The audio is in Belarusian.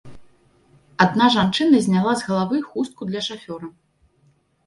Адна жанчына зняла з галавы хустку для шафёра.